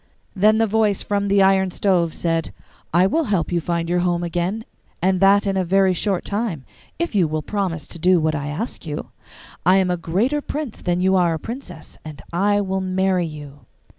Then the voice from the iron stove said, 'I will help you to find your home again, and that in a very short time, if you will promise to do what I ask you. I am a greater prince than you are a princess, and I will marry you.